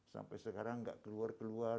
sampai sekarang nggak keluar keluar